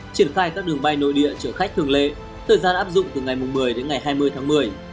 triển khai các đường bay nội địa chở khách thường lệ thời gian áp dụng từ ngày một mươi đến ngày hai mươi tháng một mươi